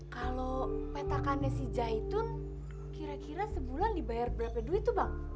kalau petakannya si ja itu kira kira sebulan dibayar berapa duit tuh bang